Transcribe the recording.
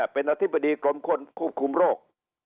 เป็นอธิบดีกรมควบคุมโรค